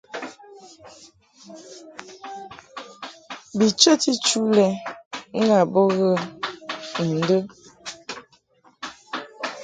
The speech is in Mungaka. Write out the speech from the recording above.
Bi chəti chu lɛ ni ndə ba ghə.